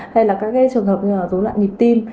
hay là các trường hợp như là dấu lại nhịp tim